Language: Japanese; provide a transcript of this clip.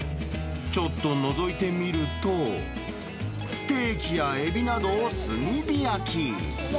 ちょっとのぞいてみると、ステーキやエビなどを炭火焼き。